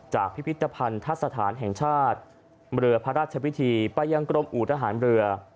จากพิพิธภัณฑ์ทัศนฐานแห่งชาติเมลือพระราชวิทธิประยังกรมอู่ทหารเมลือ